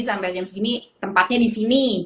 sampai jam segini tempatnya disini